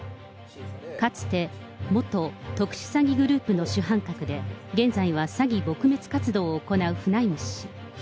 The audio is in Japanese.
かつて元特殊詐欺グループの主犯格で、現在は詐欺撲滅活動を行うフナイム氏。